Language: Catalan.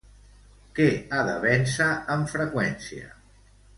Què ha de vèncer amb freqüència?